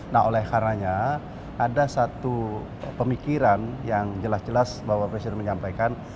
nah oleh karenanya ada satu pemikiran yang jelas jelas bapak presiden menyampaikan